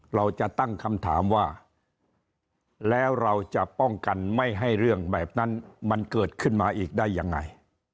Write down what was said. เราจะตั้งคำถามว่าแล้วเราจะป้องกันไม่ให้เรื่องแบบนั้นมันเกิดขึ้นมาอีกได้ยังไง